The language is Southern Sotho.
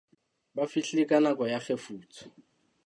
Ba fihlile ka nako ya kgefutso.